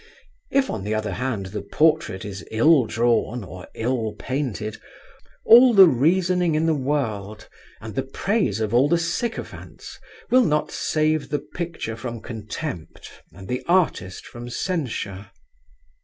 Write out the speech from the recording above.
If on the other hand the portrait is ill drawn or ill painted, all the reasoning in the world and the praise of all the sycophants will not save the picture from contempt and the artist from censure.